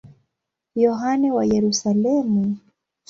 Yohane wa Yerusalemu.